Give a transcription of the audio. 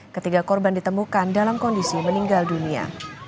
ketiga korban ditemukan dalam kondisi meninggal dunia